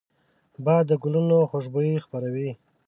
باد د ګلونو خوشبويي خپروي